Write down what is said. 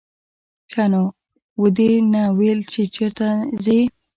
ښه نو ودې نه ویل چې چېرته ځې.